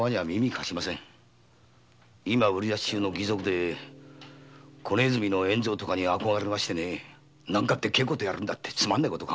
今売り出し中の義賊・小鼠の円蔵とかに憧れまして何かでかいことやるんだってつまんねえこと考えてるんです。